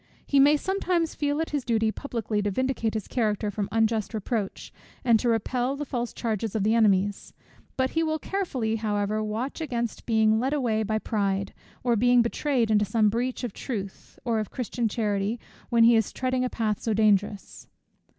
He may sometimes feel it his duty publicly to vindicate his character from unjust reproach, and to repel the false charges of his enemies; but he will carefully however watch against being led away by pride, or being betrayed into some breach of truth or of Christian charity, when he is treading in a path so dangerous.